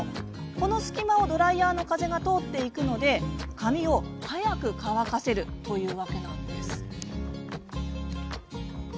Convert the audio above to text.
この隙間をドライヤーの風が通っていくので、髪を早く乾かせるというわけなんです。